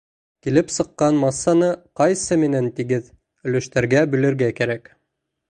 Килеп сыҡҡан массаны ҡайсы менән тигеҙ өлөштәргә бүлергә кәрәк.